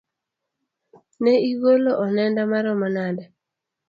ne igolo onenda maromo nade?